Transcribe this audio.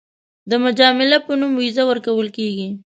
د مجامله په نوم ویزه ورکول کېږي.